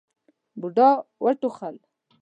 بوډا وټوخل.